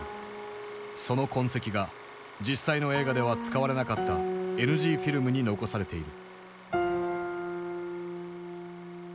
その痕跡が実際の映画では使われなかったＮＧフィルムに残されている。